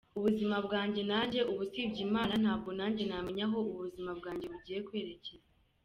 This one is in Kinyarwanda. Ubuzima bwanjye najye ubu usibye Imana ntabwo nanjye namenya aho ubuzima bwanjye bugiye kwerekeza.